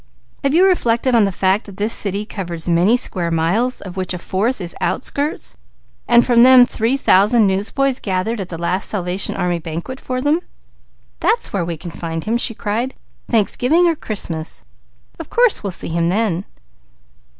"Have you reflected on the fact that this city covers many square miles, of which a fourth is outskirts, while from them three thousand newsboys gathered at the last Salvation Army banquet for them?" "That's where we can find him!" she cried. "Thanksgiving, or Christmas! Of course we'll see him then."